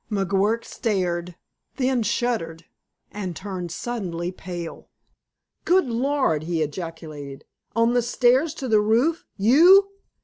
McGuirk stared, then shuddered and turned suddenly pale. "Good Lord!" he ejaculated. "On the stairs to the roof! YOU?"